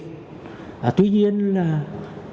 tuy nhiên là trong thời gian kể của người lao động